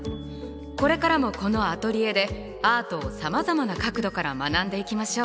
これからもこのアトリエでアートをさまざまな角度から学んでいきましょう。